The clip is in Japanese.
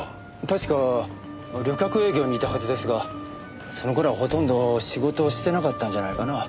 確か旅客営業にいたはずですがその頃はほとんど仕事をしてなかったんじゃないかな。